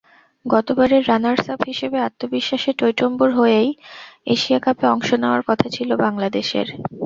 গতবারের রানার্সআপ হিসেবে আত্মবিশ্বাসে টইটম্বুর হয়েই এশিয়া কাপে অংশ নেওয়ার কথা ছিল বাংলাদেশের।